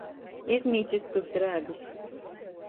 Izmīsiskys drēbis.